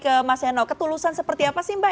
ke mas eno ketulusan seperti apa sih mbak